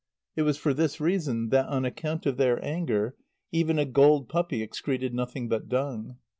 It was for this reason that, on account of their anger, even a gold puppy excreted nothing but dung.